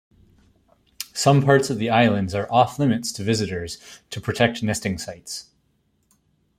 Some parts of the islands are off limits to visitors to protect nesting sites.